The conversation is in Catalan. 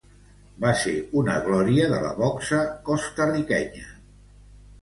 Va ser una glòria de la boxa costa-riquenya.